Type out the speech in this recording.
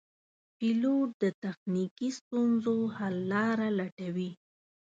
پیلوټ د تخنیکي ستونزو حل لاره لټوي.